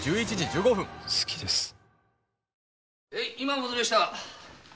戻りました！